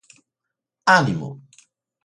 Ánimo.